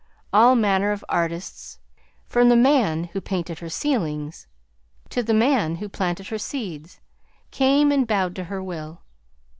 All manner of artists, from the man who painted her ceilings to the man who planted her seeds, came and bowed to her will.